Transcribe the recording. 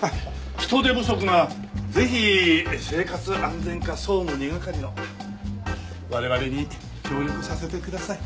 人手不足ならぜひ生活安全課総務２係の我々に協力させてください。